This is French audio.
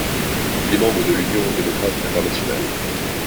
Il est membre de l'Union démocrate internationale.